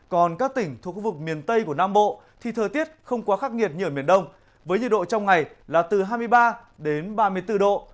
còn các tỉnh thuộc khu vực miền tây của nam bộ thì thời tiết không quá khắc nghiệt như ở miền đông với nhiệt độ trong ngày là từ hai mươi ba đến ba mươi bốn độ